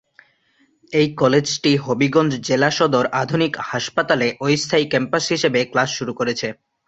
এই কলেজটি হবিগঞ্জ জেলা সদর আধুনিক হাসপাতালে অস্থায়ী ক্যাম্পাস হিসেবে ক্লাস শুরু করেছে।